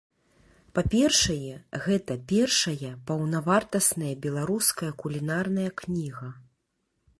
Па-першае, гэта першая паўнавартасная беларуская кулінарная кніга.